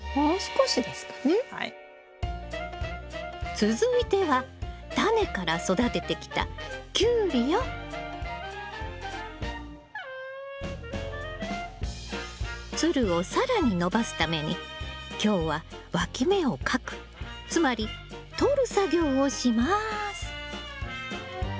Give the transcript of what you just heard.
続いてはタネから育ててきたつるを更に伸ばすために今日はわき芽をかくつまりとる作業をします。